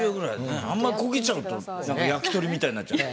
あんま焦げちゃうとなんか焼き鳥みたいになっちゃう。